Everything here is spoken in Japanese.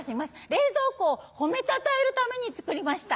冷蔵庫を褒めたたえるために作りました。